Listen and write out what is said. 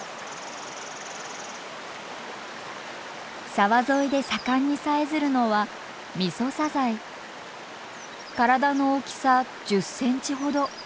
沢沿いで盛んにさえずるのは体の大きさ１０センチほど。